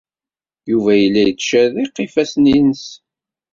Yuba yella yettcerriq ifassen-nnes.